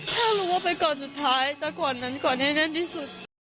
ถ้ารู้ว่าไปก่อนสุดท้ายจะก่อนนั้นก่อนให้แน่นที่สุด